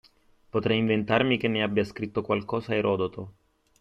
Potrei inventarmi che ne abbia scritto qualcosa Erodoto